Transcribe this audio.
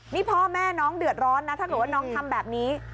นี่พ่อแม่น้องเดือดร้อนนะถ้าเกิดว่าน้องทำแบบนี้